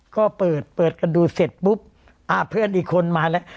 ก็เปิดเปิดกันดูเสร็จปุ๊บอ่าเพื่อนอีกคนมาแล้ว